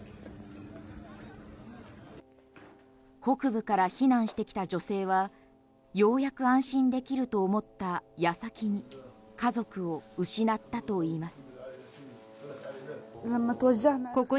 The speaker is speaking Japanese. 北部から避難してきた女性はようやく安心できると思った矢先に家族を失ったといいます。